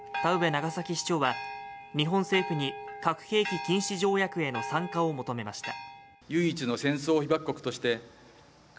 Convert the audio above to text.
長崎市長は日本政府に核兵器禁止条約への参加を求めました